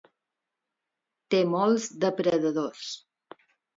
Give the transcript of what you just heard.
Té molts depredadors.